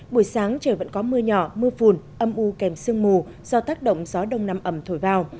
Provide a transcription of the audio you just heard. buổi sáng trời vẫn có mưa nhỏ mưa phùn âm u kèm sương mù do tác động gió đông nam ẩm thổi vào